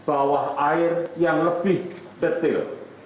bawah air yang lebih detail